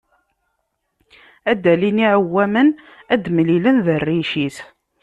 Ad d-alin yiɛewwamen, ad d-mlilen d rric-is.